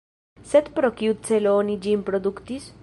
Sed pro kiu celo oni ĝin produktis?